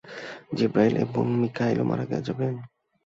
জিবরাঈল এবং মীকাঈলও মারা যাবেন?